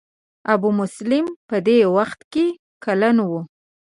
ابو مسلم په دې وخت کې کلن و.